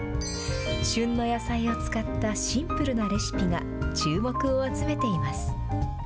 旬の野菜を使ったシンプルなレシピが注目を集めています。